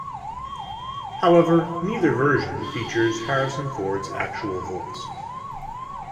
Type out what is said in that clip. However, neither version features Harrison Ford's actual voice.